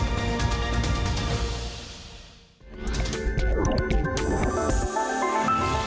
โปรดติดตามตอนต่อไป